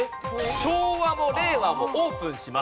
昭和も令和もオープンします。